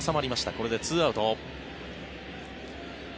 これで２アウト。